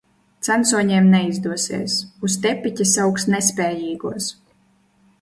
Censoņiem neizdosies. Uz tepiķa sauks nespējīgos.